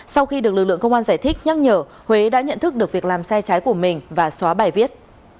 sau khi được lực lượng công an giải thích nhắc nhở huế đã nhận thức được việc làm sai trái của mình và xóa bài viết